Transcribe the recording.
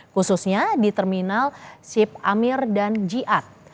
khususnya di terminal sip amir dan jiat